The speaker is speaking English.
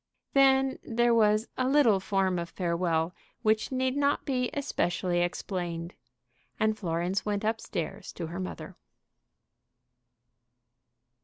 Then there was a little form of farewell which need not be especially explained, and Florence went up stairs to her mother.